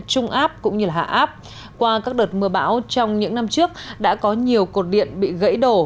trung áp cũng như hạ áp qua các đợt mưa bão trong những năm trước đã có nhiều cột điện bị gãy đổ